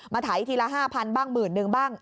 มาไถทีละ๕๐๐๐บ้าง๑๐๐๐๐บ้าง